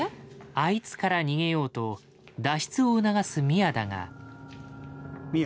「あいつ」から逃げようと脱出を促すミアだが。